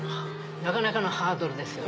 なかなかのハードルですよね。